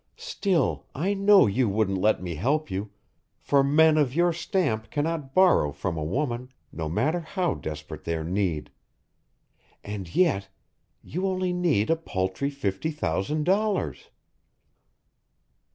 Still, I know you wouldn't let me help you, for men of your stamp cannot borrow from a woman, no matter how desperate their need. And yet you only need a paltry fifty thousand dollars!"